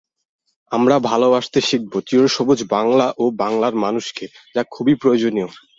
আমরা ভালোবাসতে শিখব চিরসবুজ বাংলা ও বাংলার মানুষকে, যা খুবই প্রয়োজনীয়।